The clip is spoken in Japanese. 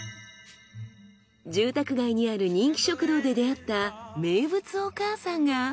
住宅街にある人気食堂で出会った名物お母さんが。